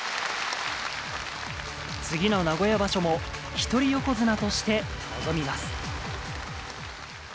次の名古屋場所も、一人横綱として臨みます。